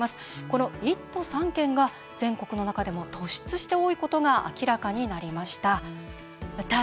この１都３県が全国の中でも突出して多いことが明らかになりました。